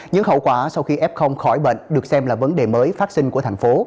những hậu quả sau khi f khỏi bệnh được xem là vấn đề mới phát sinh của thành phố